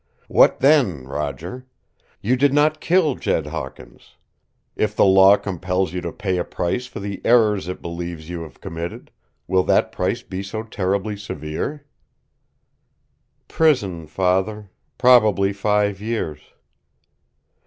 "What, then, Roger? You did not kill Jed Hawkins. If the law compels you to pay a price for the errors it believes you have committed, will that price be so terribly severe?" "Prison, Father. Probably five years."